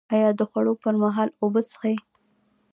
ایا د خوړو پر مهال اوبه څښئ؟